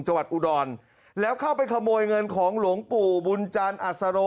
จังหวัดอุดรแล้วเข้าไปขโมยเงินของหลวงปู่บุญจันทร์อัศโร